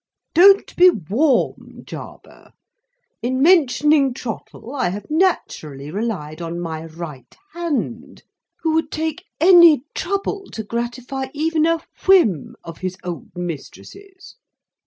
"Don't be warm, Jarber. In mentioning Trottle, I have naturally relied on my Right Hand, who would take any trouble to gratify even a whim of his old mistress's.